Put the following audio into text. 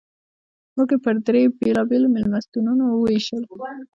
موږ یې پر درې بېلابېلو مېلمستونونو ووېشل.